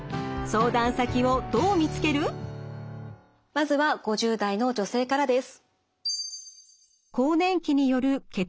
まずは５０代の女性からです。